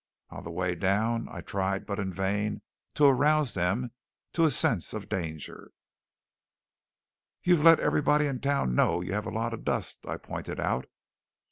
On the way down I tried, but in vain, to arouse them to a sense of danger. "You've let everybody in town know you have a lot of dust," I pointed out.